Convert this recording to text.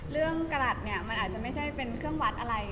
กระหลัดเนี่ยมันอาจจะไม่ใช่เป็นเครื่องวัดอะไร